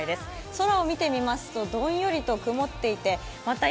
空を見てみますとどんよりと曇っていてまた